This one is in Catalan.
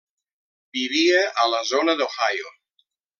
Vivia a la zona d'Ohio.